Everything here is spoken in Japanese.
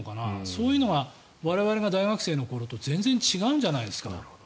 そういうのが我々が大学生の頃と全然違うんじゃないですか。